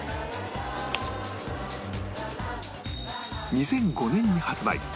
２００５年に発売